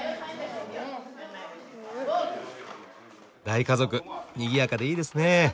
大家族にぎやかでいいですね。